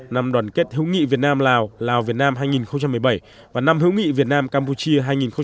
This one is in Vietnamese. năm đoàn kết hữu nghị việt nam lào lào việt nam hai nghìn một mươi bảy và năm hữu nghị việt nam campuchia hai nghìn một mươi tám